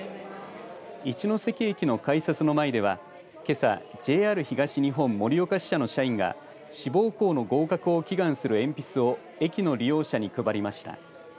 一ノ関駅の改札の前では、けさＪＲ東日本、盛岡支社の社員が志望校の合格を祈願する鉛筆を駅の利用者に配りました。